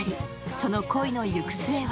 その恋の行く末は